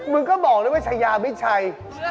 มึงก็บอกเลยว่าชัยบาดาลไม่ใช่